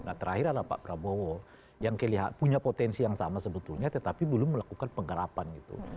nah terakhir adalah pak prabowo yang punya potensi yang sama sebetulnya tetapi belum melakukan penggarapan gitu